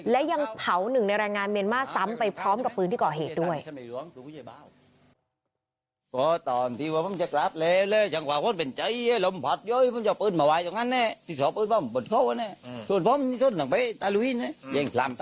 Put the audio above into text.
และยังเผาหนึ่งในแรงงานเมียนมาร์ซ้ำไปพร้อมกับปืนที่ก่อเหตุด้วย